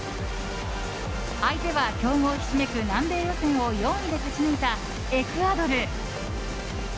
相手は強豪ひしめく南米予選を４位で勝ち抜いたエクアドル。